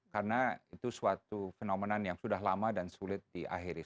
karena itu suatu fenomenon yang sudah lama dan sulit diakhiri